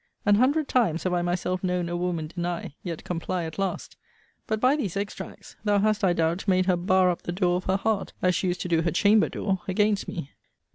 An hundred times have I myself known a woman deny, yet comply at last: but, by these extracts, thou hast, I doubt, made her bar up the door of her heart, as she used to do her chamber door, against me.